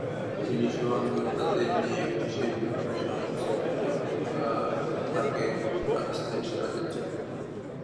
তিনি সহযোদ্ধাদের নিয়ে একটি সেতুর পাশে অবস্থান নিয়ে অপেক্ষায় থাকেন পাকিস্তানি সেনাদের জন্য।